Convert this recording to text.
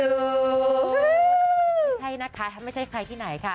ไม่ใช่นะคะไม่ใช่ใครที่ไหนค่ะ